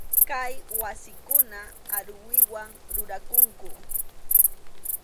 Kay wasikunan aruwiwan rurakunku.